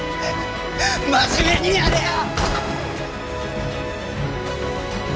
真面目にやれよ！